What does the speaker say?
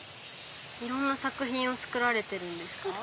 いろんな作品を作られてるんですか？